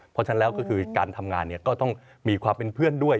เพราะฉะนั้นแล้วก็คือการทำงานก็ต้องมีความเป็นเพื่อนด้วย